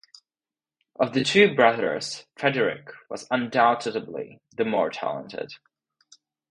Of the two brothers Frederick was undoubtedly the more talented.